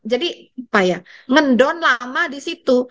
jadi mendon lama disitu